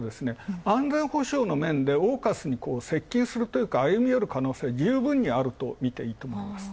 安全保障の面でＡＵＫＵＳに接近するというか可能性は十分にあるみていいと思います。